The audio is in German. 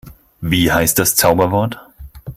Wie heißt das Zauberwort?